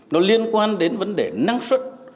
nó liên quan đến vấn đề năng suất